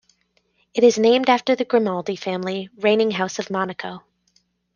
It is named after the Grimaldi family, reigning house of Monaco.